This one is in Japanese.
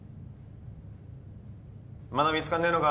まだ見つかんねぇのか？